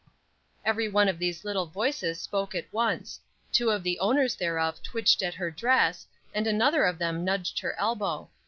Every one of these little voices spoke at once; two of the owners thereof twitched at her dress, and another of them nudged her elbow.